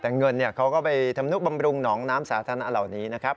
แต่เงินเขาก็ไปทำนุบำรุงหนองน้ำสาธารณะเหล่านี้นะครับ